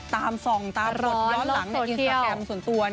ตามส่องตามรถย้อนหลังในอินสตาแกรมส่วนตัว